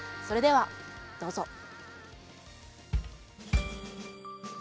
それではどうぞ。